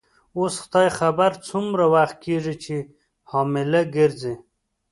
اوس خدای خبر څومره وخت کیږي چي حامله ګرځې.